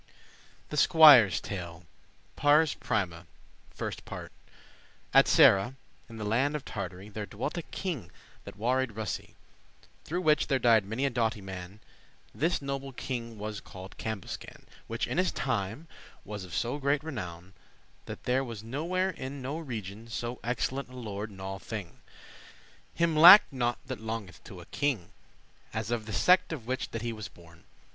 THE TALE.<1> *Pars Prima.* *First part* At Sarra, in the land of Tartary, There dwelt a king that warrayed* Russie, <2> *made war on Through which there died many a doughty man; This noble king was called Cambuscan,<3> Which in his time was of so great renown, That there was nowhere in no regioun So excellent a lord in alle thing: Him lacked nought that longeth to a king, As of the sect of which that he was born.